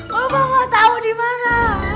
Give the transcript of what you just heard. mbak mau tau dimana